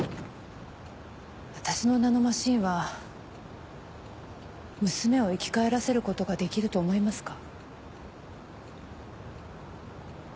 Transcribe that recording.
私のナノマシンは娘を生き返らせることができると思いますか？